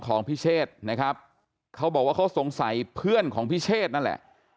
พิเชษนะครับเขาบอกว่าเขาสงสัยเพื่อนของพิเชษนั่นแหละ